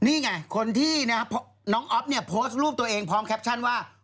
นี่ไงคนที่น้องอ๊อฟเนี่ยโพสต์รูปตัวเองพร้อมแคปชั่นว่า